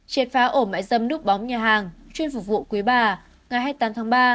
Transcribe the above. triệt phá ổ mại dâm núp bóng nhà hàng chuyên phục vụ quý bà ngày hai mươi tám tháng ba